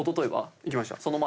行きました。